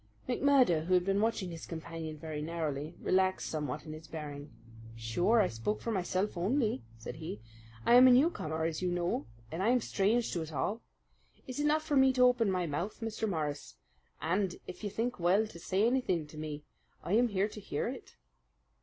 McMurdo, who had been watching his companion very narrowly, relaxed somewhat in his bearing. "Sure I spoke for myself only," said he. "I am a newcomer, as you know, and I am strange to it all. It is not for me to open my mouth, Mr. Morris, and if you think well to say anything to me I am here to hear it."